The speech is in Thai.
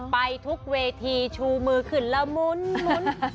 ไปทุกเวทีชูมือขึ้นละมุนแหละ